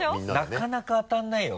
なかなか当たらないよ